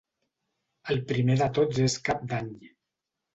El primer de tots és Cap d'Any.